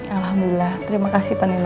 alhamdulillah terima kasih panino